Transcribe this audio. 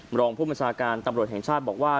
รองผู้บัญชาการตำรวจแห่งชาติบอกว่า